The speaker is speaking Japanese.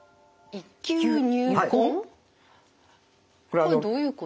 これどういうことですか？